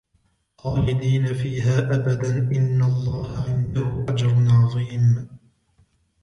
خالدين فيها أبدا إن الله عنده أجر عظيم